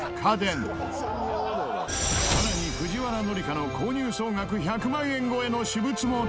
さらに藤原紀香の購入総額１００万円超えの私物も登場！